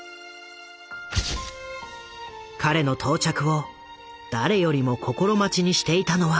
彼の到着を誰よりも心待ちにしていたのは